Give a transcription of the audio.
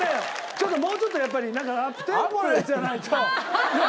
もうちょっとやっぱりアップテンポのやつじゃないと。